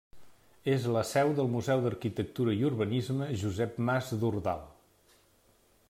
És la seu del Museu d'Arquitectura i Urbanisme Josep Mas Dordal.